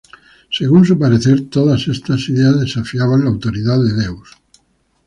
Según su parecer, todas estas ideas desafiaban la autoridad de Dios.